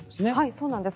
そうなんです。